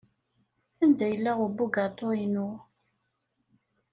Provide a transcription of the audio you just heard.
Anda yella ubugaṭu-inu?